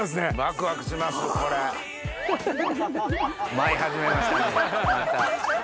舞い始めましたねまた。